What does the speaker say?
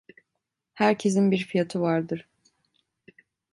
Herkesin bir fiyatı vardır.